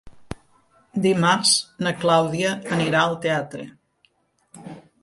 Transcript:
Dimarts na Clàudia anirà al teatre.